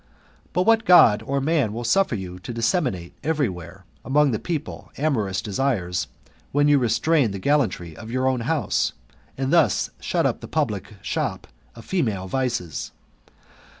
But what God or man will suffer you to disseminate every where among the people amorous desires, when you restrain the gallantry of your own house, and thus shut up the public shop of female vices